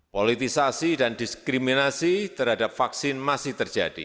politisasi dan diskriminasi terhadap vaksin masih terjadi